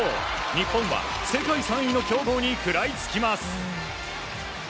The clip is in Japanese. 日本は世界３位の強豪に食らいつきます。